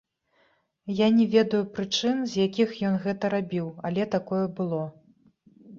Я не ведаю прычын, з якіх ён гэта рабіў, але такое было.